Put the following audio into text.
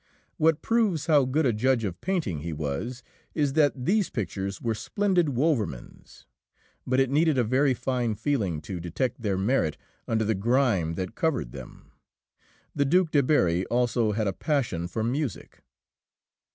What proves how good a judge of painting he was is that these pictures were splendid Wouvermans. But it needed a very fine feeling to detect their merit under the grime that covered them. The Duke de Berri also had a passion for music.